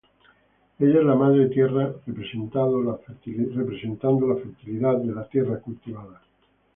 Ella es la madre Tierra representando la fertilidad de la tierra cultivada.